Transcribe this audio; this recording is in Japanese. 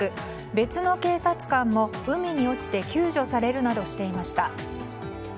別の警察官も、海に落ちて救助されるなどしていました。